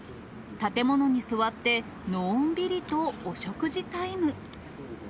建物に座って、のんびりとお食事タイム。